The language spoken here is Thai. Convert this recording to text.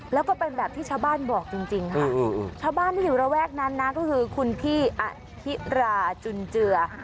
แล้วก็เป็นแบบที่ชาวบ้านบอกจริงค่ะชาวบ้านที่อยู่ระแวกนั้นนะก็คือคุณพี่อธิราจุนเจือ